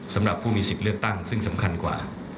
สำหรับผู้มีสิทธิ์เลือกตั้งซึ่งสำคัญกว่า